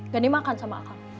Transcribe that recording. gak dimakan sama akang